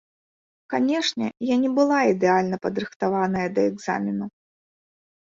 Канешне, я не была ідэальна падрыхтаваная да экзамену.